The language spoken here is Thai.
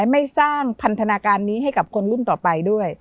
ไม่สร้างพันธนาการนี้ให้กับคนรุ่นต่อไปด้วย